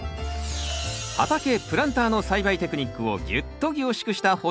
畑プランターの栽培テクニックをギュッと凝縮した保存版。